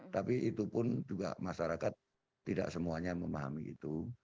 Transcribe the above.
tapi itu pun juga masyarakat tidak semuanya memahami itu